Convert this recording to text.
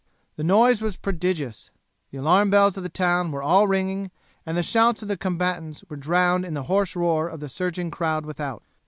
The noise was prodigious. The alarm bells of the town were all ringing and the shouts of the combatants were drowned in the hoarse roar of the surging crowd without.